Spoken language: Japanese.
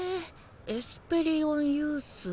エスペリオンユースＢ？